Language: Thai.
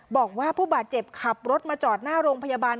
บอกว่าผู้บาดเจ็บขับรถมาจอดหน้าโรงพยาบาล